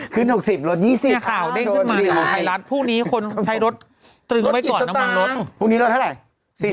ขึ้น๖๐ลด๒๐ค่ะโดนเหลี่ยวของไทยรัฐพรุ่งนี้คนใช้รถตรึงไว้ก่อนน้ำมันลดพรุ่งนี้ลดเท่าไหร่๔๐